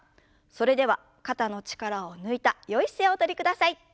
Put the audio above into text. それでは肩の力を抜いたよい姿勢をおとりください。